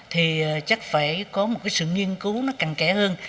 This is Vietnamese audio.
thì chắc phải có một sự nghiên cứu cằn kẽ hơn